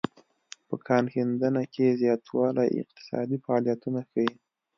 په کان کیندنه کې زیاتوالی اقتصادي فعالیتونه ښيي